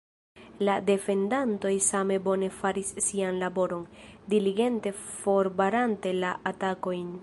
La defendantoj same bone faris sian laboron, diligente forbarante la atakojn.